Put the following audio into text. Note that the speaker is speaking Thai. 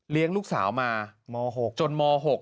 เลี้ยงลูกสาวมาจนม๖